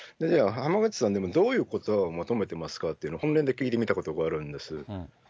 濱口さん、どういうことばを求めてますかっていうのを本音で聞いてみたことがあるんです。